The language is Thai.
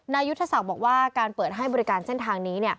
ยุทธศักดิ์บอกว่าการเปิดให้บริการเส้นทางนี้